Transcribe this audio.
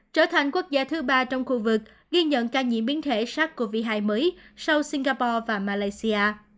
trở thành quốc gia thứ ba trong khu vực ghi nhận ca nhiễm biến thể sars cov hai mới sau singapore và malaysia